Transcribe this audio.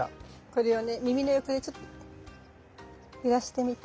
これをね耳の横でちょっと揺らしてみて。